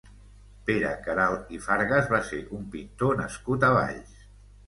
Pere Queralt i Fargas va ser un pintor nascut a Valls.